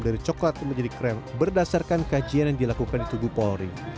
dari coklat menjadi krem berdasarkan kajian yang dilakukan di tubuh polri